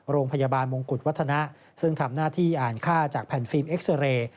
โรงพยาบาลมงกุฎวัฒนะซึ่งทำหน้าที่อ่านค่าจากแผ่นฟิล์เอ็กซาเรย์